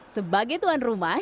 sebagai tuan rumah